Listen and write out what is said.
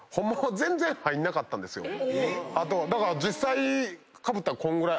だから実際かぶったらこんぐらい。